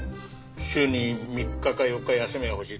週に３日か４日休みが欲しい。